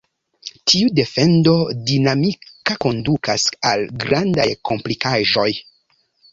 Tiu defendo dinamika kondukas al grandaj komplikaĵoj.